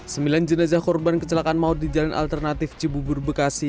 sembilan jenazah korban kecelakaan maut di jalan alternatif cibubur bekasi